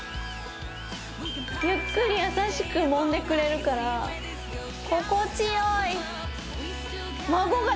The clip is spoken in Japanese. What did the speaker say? ゆっくり優しくもんでくれるから心地良い！